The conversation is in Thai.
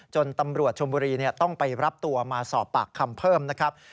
จนตำรวจชมบุรีต้องไปรับตัวมาสอบปากคำเพิ่มนะครับ